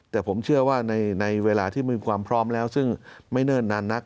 แต่ผมเชื่อว่าในเวลาที่มีความพร้อมแล้วซึ่งไม่เนิ่นนานนัก